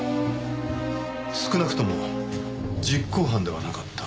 少なくとも実行犯ではなかった。